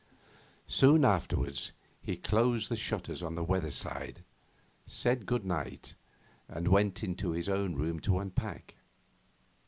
Soon afterwards he closed the shutters on the weather side, said good night, and went into his own room to unpack.